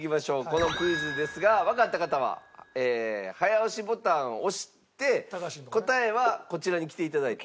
このクイズですがわかった方は早押しボタンを押して答えはこちらに来ていただいて。